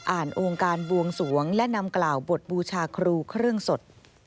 องค์การบวงสวงและนำกล่าวบทบูชาครูเครื่องสด